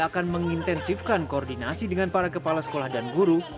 akan mengintensifkan koordinasi dengan para kepala sekolah dan guru